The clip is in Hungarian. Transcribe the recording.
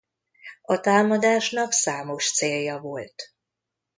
A támadásnak számos célja volt.